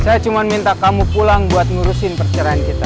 saya cuma minta kamu pulang buat ngurusin perceraian kita